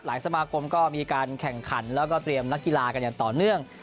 สมาคมก็มีการแข่งขันแล้วก็เตรียมนักกีฬากันอย่างต่อเนื่อง